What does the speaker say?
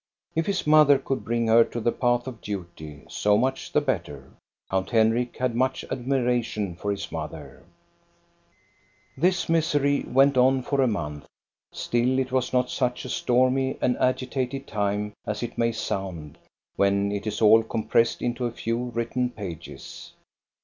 If his mother could bring her to the path of duty, so much the better, Count Hen rik had much admiration for his mother. 2/8 THE STORY OF COSTA BERUNG This misery went on for a month. Still it was not such a stormy and agitated time as it may sound when it is all compressed into a few written pages.